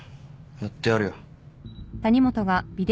やってやるよ。